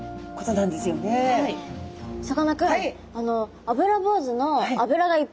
さかなクン。